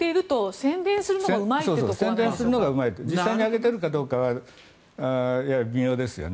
宣伝するのがうまい実際に上げているかどうかは微妙ですよね。